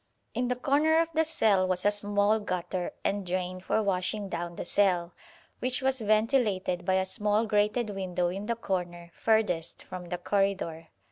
In the corner of the cell was a small gutter and drain for washing down the cell, which was ventilated by a small grated window in the corner furthest from the corridor.